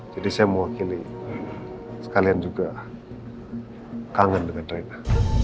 jadi saya mewakili sekalian juga kangen dengan reina